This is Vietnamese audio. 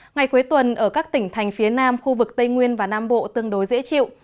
ngày cuối tuần ở các tỉnh thành phía nam khu vực tây nguyên và nam bộ tương đối dễ chịu